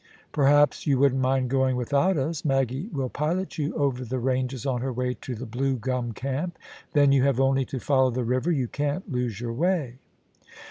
Perhaps you wouldn't mind going without us. Maggie will pilot you over the ranges on her way to the Blue Gum Camp ; then you have only to follow the river ; you can't lose your way.'